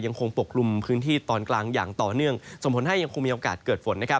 ยังคงปกลุ่มพื้นที่ตอนกลางอย่างต่อเนื่องสมผลให้ยังคงมีโอกาสเกิดฝน